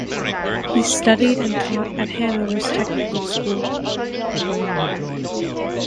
He studied and taught at Hanover's technical school.